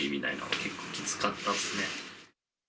結構きつかったっすね。